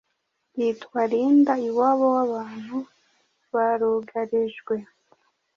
yitwa ‘Rinda iwabo w’abantu barugarijwe’.